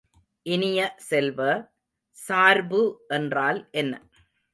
இனிய செல்வ, சார்பு என்றால் என்ன?